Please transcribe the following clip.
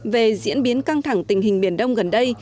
về diễn biến căng thẳng tình hình biển đông gần đây